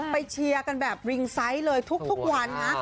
ไปเชียร์กันแบบเลยทุกทุกวันนะ